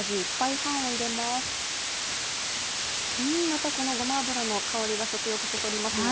またこのごま油の香りが食欲そそりますね。